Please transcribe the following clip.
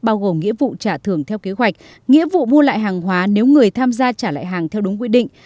bao gồm nghĩa vụ trả thưởng theo kế hoạch nghĩa vụ mua lại hàng hóa nếu người tham gia trả lại hàng theo đúng quy định